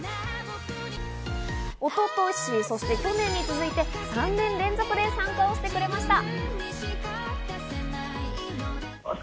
一昨年、そして去年に続いて、３年連続で参加をしてくれました。